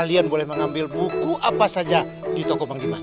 kalian boleh mengambil buku apa saja di toko bang gimana